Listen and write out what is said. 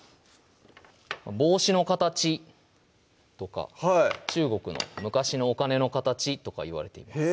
帽子の形とかはい中国の昔のお金の形とかいわれています